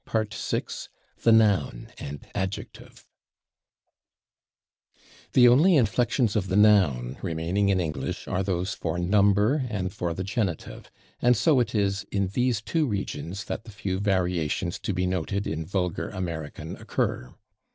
§ 6 /The Noun and Adjective/ The only inflections of the noun remaining in English are those for number and for the genitive, and so it is in these two regions that the few variations to be noted in vulgar American occur.